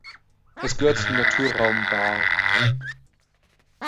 Es gehört zum Naturraum Baar.